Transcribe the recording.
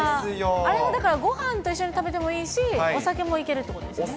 あれ、だからごはんと一緒に食べてもいいし、お酒もいけるってことですよね。